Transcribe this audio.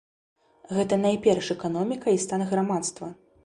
Гэта найперш эканоміка і стан грамадства.